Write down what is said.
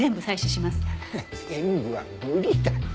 全部は無理だって。